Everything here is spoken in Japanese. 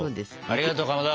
ありがとうかまど。